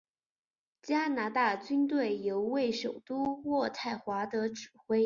加拿大军队由位于首都渥太华的指挥。